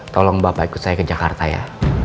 tolong bapak ikut saya ke jakarta ya